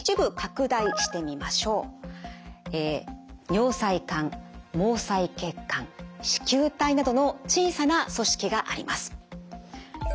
尿細管毛細血管糸球体などの小さな組織があります。